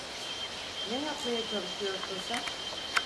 Ne yapmaya çalışıyorsun sen?